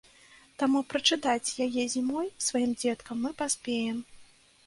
Таму прачытаць яе зімой сваім дзеткам мы паспеем.